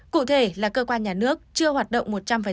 cụ thể là cơ quan nhà nước chưa hoạt động một trăm linh